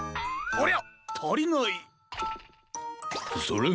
ありゃ？